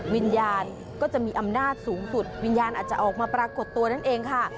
วิญญาณก็จะมีอำนาจสูงสุดวิญญาณอาจจะออกมาปรากฏตัวนั่นเองค่ะ